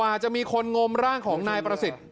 ลิฟต์ร่างของนายประสิทธิ์